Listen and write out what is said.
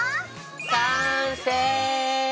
完成！